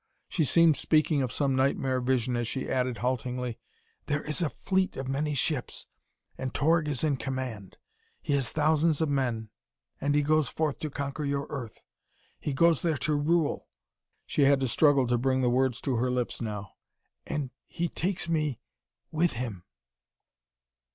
She seemed speaking of some nightmare vision as she added haltingly, "There is a fleet of many ships, and Torg is in command. He has thousands of men, and he goes forth to conquer your Earth. He goes there to rule." She had to struggle to bring the words to her lips now. "And he takes me with him!"